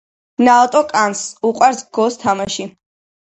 ნაოტო კანს უყვარს გოს თამაში.